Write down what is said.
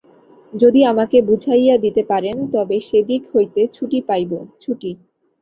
যদি আমাকে বুঝাইয়া দিতে পারেন তবে সে দিক হইতে ছুটি পাইব–ছুটি।